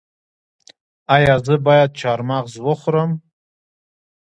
ایا زه باید چهارمغز وخورم؟